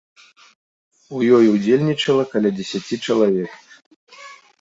У ёй удзельнічала каля дзесяці чалавек.